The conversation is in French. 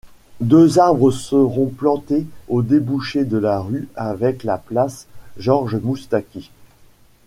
Deux arbres seront plantés au débouché de la rue avec la place Georges-Moustaki.